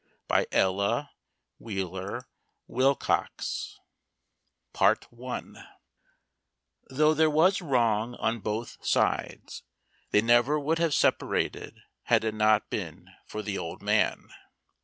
BY ELLA WHEELER WILCOX. I. Though there was wrong on both sides, they never would have separated had it not been for the old man.